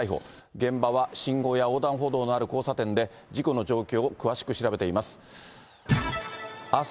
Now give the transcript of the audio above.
現場は信号や横断歩道のある交差点で、事故の状況を詳しく調べています。